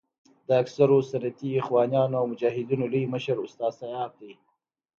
د اکثرو سنتي اخوانیانو او مجاهدینو لوی مشر استاد سیاف دی.